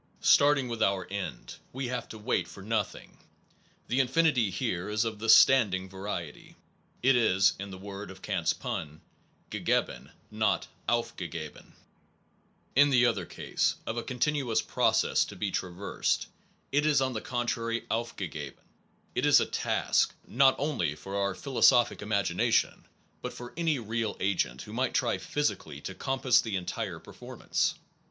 Starting with our end, we have to wait for nothing. The infinity here is of the standing variety. It is, in the word of Kant s pun, gegeben, not auf gegeben: in the other case, of a continuous pro cess to be traversed, it is on the contrary auf gegeben: it is a task not only for our philo 171 SOME PROBLEMS OF PHILOSOPHY sophic imagination, but for any real agent who might try physically to compass the entire performance.